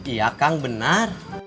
iya kang benar